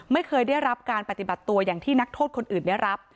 ไม่เคยได้รับการปฏิบัติตัวอย่างที่นักโทษคนอื่นได้รับ